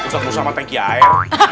ustadz musa sama tanki air